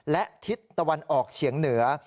และทิศตะวันออกเฉียงเหนือ